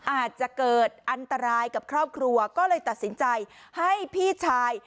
อาจจะเกิดอันตรายกับครอบครัวก็เลยตัดสินใจให้พี่ชาย